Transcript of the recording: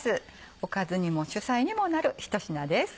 おかずにも主菜にもなる一品です。